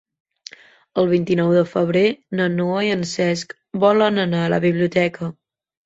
El vint-i-nou de febrer na Noa i en Cesc volen anar a la biblioteca.